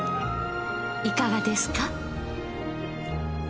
いかがですか？